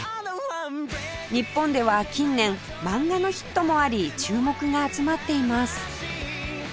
日本では近年漫画のヒットもあり注目が集まっています